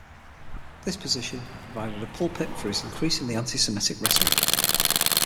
This position provided a pulpit for his increasingly anti-Semitic rhetoric.